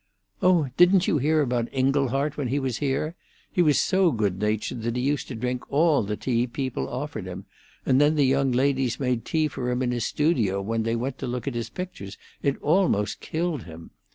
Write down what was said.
"Oh, didn't you hear about Inglehart when he was here? He was so good natured that he used to drink all the tea people offered him, and then the young ladies made tea for him in his studio when they went to look at his pictures. It almost killed him.